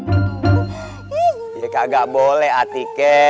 iya kagak boleh a tike